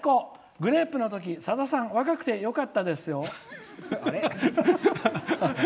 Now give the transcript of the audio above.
グレープのとき、さださん若くてよかったですよ」。